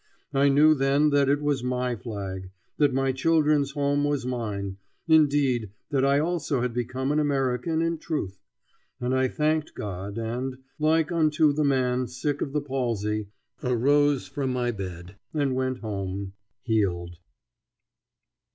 I knew then that it was my flag; that my children's home was mine, indeed; that I also had become an American in truth. And I thanked God, and, like unto the man sick of the palsy, arose from my bed and went home, healed.